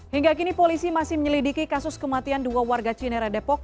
hingga kini polisi masih menyelidiki kasus kematian dua warga cinere depok